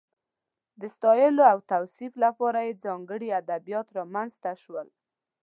د ستایلو او توصیف لپاره یې ځانګړي ادبیات رامنځته شول.